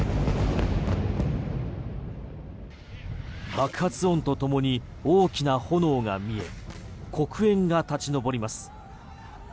爆発音とともに大きな炎が見え黒煙が立ち上ります。